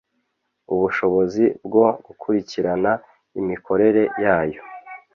ubushobozi bwo gukurikirana imikorere yayo